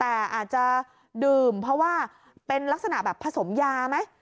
แต่อาจจะดื่มเพราะว่าเป็นลักษณะแบบผสมยาไหม